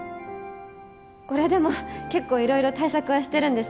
これでも結構いろいろ対策はしてるんですよ。